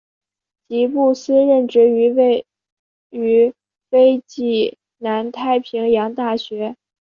吉布斯任职于位于斐济的南太平洋大学。